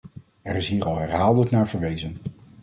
Er is hier al herhaaldelijk naar verwezen.